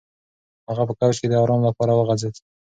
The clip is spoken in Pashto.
هغه په کوچ کې د ارام لپاره وغځېد.